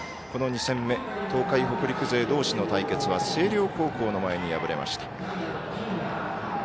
この２戦目東海北陸勢どうしの対決は星稜高校の前に敗れました。